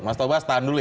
mas taubas tahan dulu ya